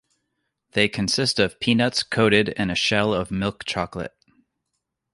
They consist of peanuts coated in a shell of milk chocolate.